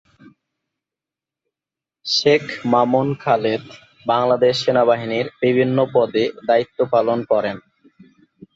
শেখ মামুন খালেদ বাংলাদেশ সেনাবাহিনীর বিভিন্ন পদে দায়িত্ব পালন করেন।